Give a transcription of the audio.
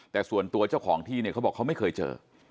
แต่ส่วนตัวเจ้าของที่เนี่ยเขาบอกเขาไม่เคยเจอ